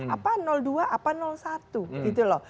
apa dua apa satu gitu loh